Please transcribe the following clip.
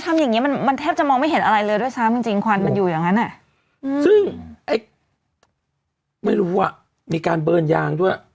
ไม่รู้อะมีการเบิ้ลยางด้วย